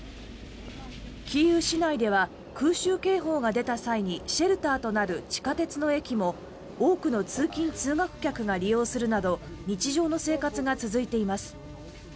キーウ市内では空襲警報が出た際にシェルターとなる地下鉄の駅も多くの通勤・通学客が利用するなど日常の生活が続いています。